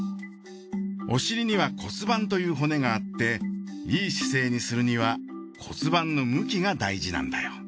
お尻には骨盤という骨があっていい姿勢にするには骨盤の向きが大事なんだよ。